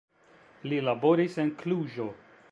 Li laboris en Kluĵo.